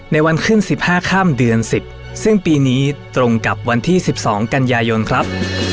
ในวันขึ้นสิบห้าข้ามเดือนสิบซึ่งปีนี้ตรงกับวันที่สิบสองกันยายนครับ